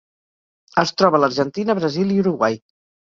Es troba a l'Argentina, Brasil i Uruguai.